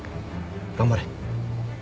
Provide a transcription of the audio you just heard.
頑張れ。